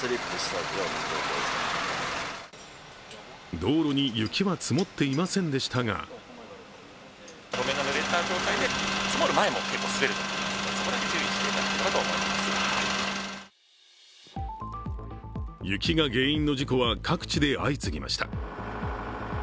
道路に雪は積もっていませんでしたが雪が原因の事故は各地で相次ぎました。